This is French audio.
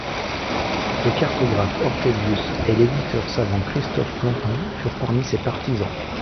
Le cartographe Ortelius et l'éditeur savant Christophe Plantin furent parmi ses partisans.